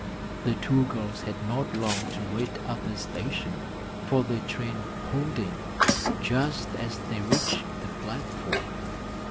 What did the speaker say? The two girls had not long to wait at the station, for the train pulled in just as they reached the platform.